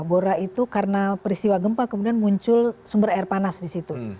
bora itu karena peristiwa gempa kemudian muncul sumber air panas di situ